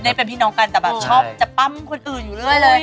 แต่แบบชอบจะปั๊มอยู่เรื่อย